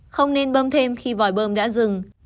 không nên bơm thêm khi vòi bơm đã dừng